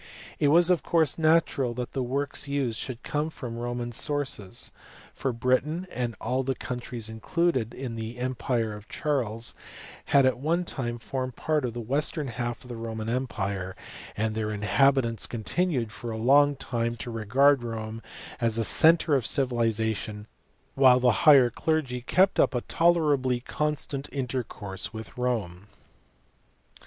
It was of course natural that the works used should come from Roman sources, for Britain and all the countries included in the empire of Charles had at one time formed part of the western half of the Roman empire, and their inhabitants EDUCATION IN THE NINTH CENTURY. 139 continued for a long time to regard Rome as the centre of civilization, while the higher clergy kept up a tolerably constant intercourse witji Rome.